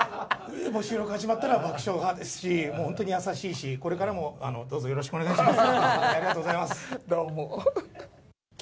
収録始まったら爆笑派ですし、もう本当に優しいし、これからもどうぞよろしくお願いします。